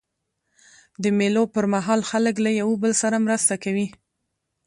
د مېلو پر مهال خلک له یوه بل سره مرسته کوي.